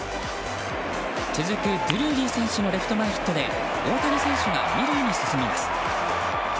続くドゥルーリー選手のレフト前ヒットで大谷選手が２塁に進みます。